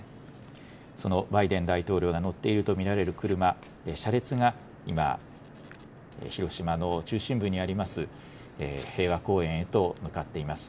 そのバイデン大統領が乗っていると見られる車、車列が今、広島の中心部にあります平和公園へと向かっています。